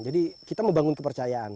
jadi kita membangun kepercayaan